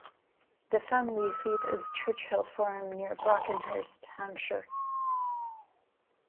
The family seat is Church Hill Farm, near Brockenhurst, Hampshire.